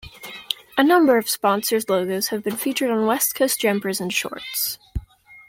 A number of sponsors' logos have featured on West Coast jumpers and shorts.